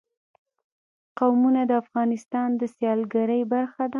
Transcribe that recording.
قومونه د افغانستان د سیلګرۍ برخه ده.